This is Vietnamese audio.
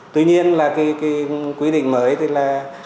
tuy nhiên là cái quy định mới thì là